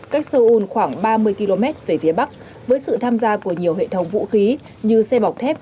cách seoul khoảng ba mươi km về phía bắc với sự tham gia của nhiều hệ thống vũ khí như xe bọc thép